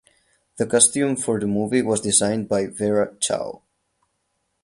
The costume for the movie was designed by Vera Chow.